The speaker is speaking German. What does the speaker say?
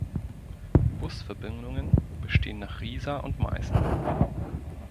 Busverbindungen bestehen nach Riesa und Meißen.